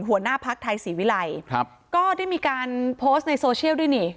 หัวหน้าภักดิ์ไทยศรีวิรัยครับก็ได้มีการโพสต์ในโซเชียลด้วยนี่